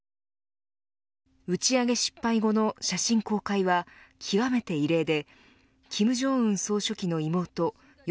打ち上げ失敗後の写真公開は極めて異例で金正恩総書記の妹与